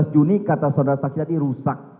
dua belas juni kata saudara saksi tadi rusak